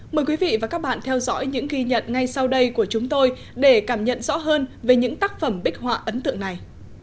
mời quý vị và các bạn theo dõi những ghi nhận ngay sau đây của chúng tôi để cảm nhận rõ hơn về những tác phẩm bích họa ấn tượng này